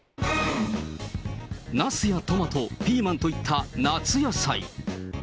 ナスやトマト、ピーマンといった夏野菜。